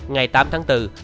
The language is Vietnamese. ngày tám tháng bốn